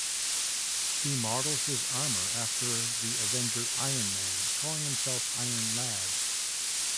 He models his armor after the Avenger Iron Man, calling himself Iron Lad.